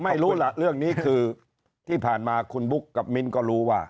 ไม่รู้ล่ะเรื่องนี้คือที่ผ่านมาคุณบุ๊คกับมิ้นก็รู้ว่า